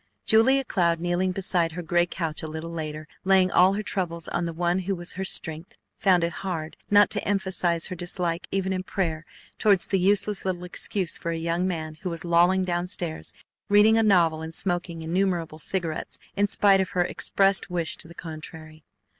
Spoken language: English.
Julia Cloud, kneeling beside her gray couch a little later, laying all her troubles on the One who was her strength, found it hard not to emphasize her dislike even in prayer toward the useless little excuse for a young man who was lolling down stairs reading a novel and smoking innumerable cigarettes in spite of her expressed wish to the contrary.